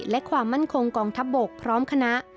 และความมั่นคงกองทัพบกพร้อมคณะ